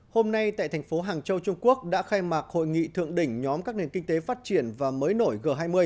hôm nay tại thành phố hàng châu trung quốc đã khai mạc hội nghị thượng đỉnh nhóm các nền kinh tế phát triển và mới nổi g hai mươi